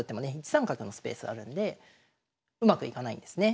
１三角のスペースあるんでうまくいかないんですね。